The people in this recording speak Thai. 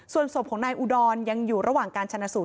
ส่วนศพของนายอุดรยังอยู่ระหว่างการชนะสูตร